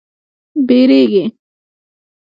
بیږیږې